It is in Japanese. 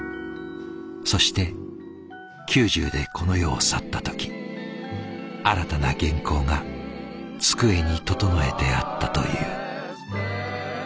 そして９０でこの世を去った時新たな原稿が机に整えてあったという。